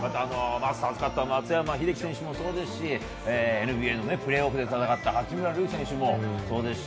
マスターズに勝った松山英樹選手もそうですしＮＢＡのプレーオフで戦った八村塁選手もそうですし。